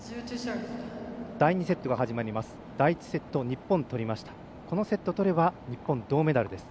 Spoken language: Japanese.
第２セットが始まります。